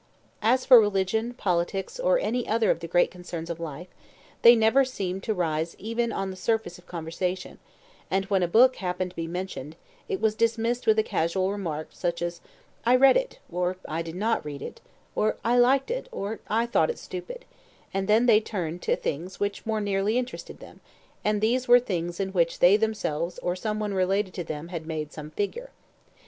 As for religion, politics, or any other of the great concerns of life, they never seemed to rise even on the surface of conversation; and when a book happened to be mentioned, it was dismissed with a casual remark, such as "I read it," or "I did not read it," or "I liked it," or "I thought it stupid," and then they turned to things which more nearly interested them, and these were things in which they themselves or some one related to them made some figure.